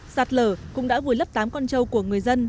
sạt lở cũng đã vùi lấp tám con trâu của người dân